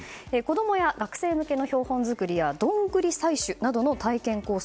子供や学生向けの標本作りやドングリ採取などの体験コース。